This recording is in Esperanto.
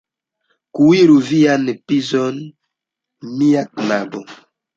Kuiru viajn pizojn, mia knabo!